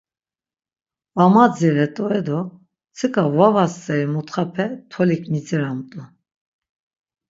Var madziret̆u edo mtsika vava steri muntxape tolik midziramt̆u.